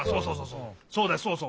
そうそうそうそう。